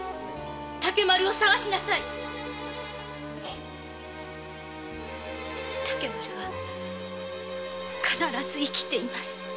竹丸を捜しなさい竹丸は必ず生きています。